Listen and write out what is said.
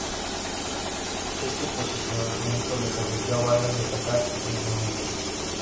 Este posicionamiento le permitió a Vargas destacar en el Movimiento.